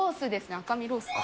赤身ロース。